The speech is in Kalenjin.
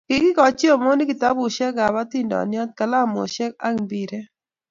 Kagigooch Omondi kitabushek kab hatindonik, kalamushek ago mpiret